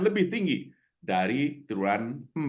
lebih tinggi dari turunan